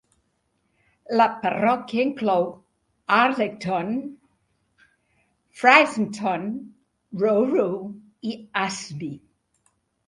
La parròquia inclou Arlecdon, Frizington, Rowrah i Asby.